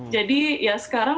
jadi ya sekarang